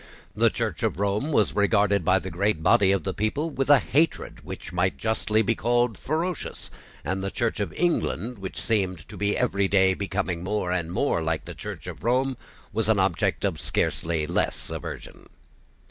The Church of Rome was regarded by the great body of the people with a hatred which might justly be called ferocious; and the Church of England, which seemed to be every day becoming more and more like the Church of Rome, was an object of scarcely less aversion.